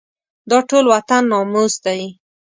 دا ټول وطن ناموس دی.